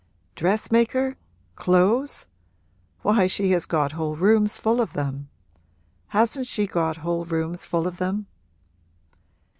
'Dressmaker? Clothes? Why, she has got whole rooms full of them. Hasn't she got whole rooms full of them?'